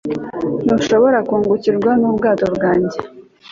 ntushobora kungukirwa nubwato bwanjye